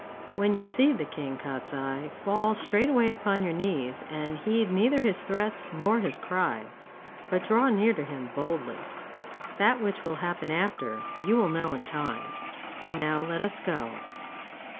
When you see the King Kostiei, fall straightway upon your knees and heed neither his threats nor his cry, but draw near to him boldly. That which will happen after, you will know in time. Now let us go.